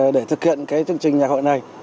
để thực hiện chương trình nhà khội này